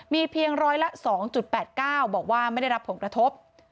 มีเพียงร้อยละ๒๘๙บอกว่าไม่ได้รับผลกระทบ